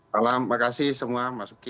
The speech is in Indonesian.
salam makasih semua mas uki